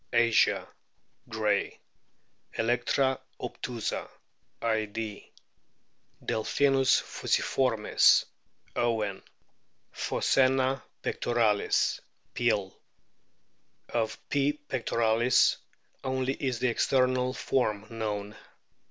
asia, Gray ; Electra obtusa, Id.; Delphinus fusiformis, Owen ; P hoc ana pectoralis, Peale ; of P. pectoralis only is the external form known.